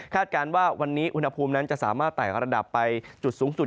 การว่าวันนี้อุณหภูมินั้นจะสามารถไต่ระดับไปจุดสูงสุด